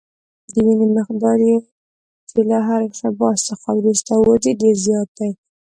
د وینې مقدار چې له هر انقباض څخه وروسته وځي ډېر زیات دی.